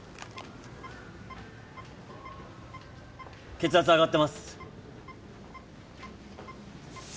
血圧上がってます。